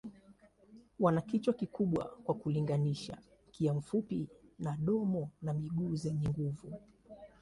Wana kichwa kikubwa kwa kulinganisha, mkia mfupi na domo na miguu zenye nguvu.